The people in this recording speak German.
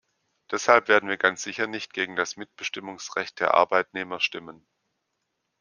Deshalb werden wir ganz sicher nicht gegen das Mitbestimmungsrecht der Arbeitnehmer stimmen.